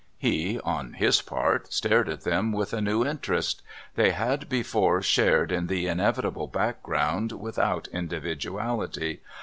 He, on his part, stared at them with a new interest. They had before shared in the inevitable background without individuality.